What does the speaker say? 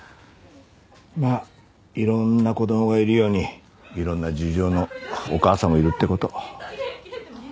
まあいろんな子供がいるようにいろんな事情のお母さんもいるって事。